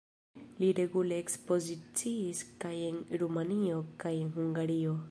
Li regule ekspoziciis kaj en Rumanio kaj en Hungario.